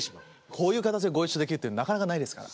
こういう形でご一緒できるってなかなかないですから。